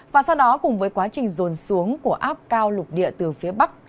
và sau đó cùng với quá trình rồn xuống của áp cao lục địa từ phía bắc